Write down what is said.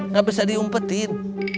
gak bisa diumpetin